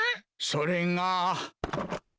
それが。